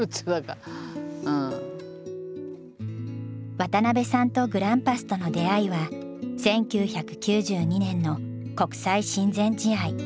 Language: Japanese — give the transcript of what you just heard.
渡邉さんとグランパスとの出会いは１９９２年の国際親善試合。